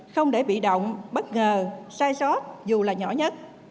không để bị động bất ngờ sai sót dù là nhỏ nhất